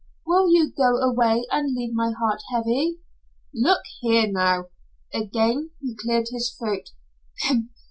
"Will you go away and leave my heart heavy?" "Look here, now " Again he cleared his throat.